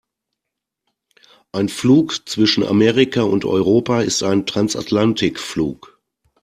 Ein Flug zwischen Amerika und Europa ist ein Transatlantikflug.